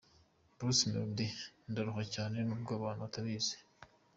Bruce Melody: Ndaruha cyane nubwo abantu batabizi.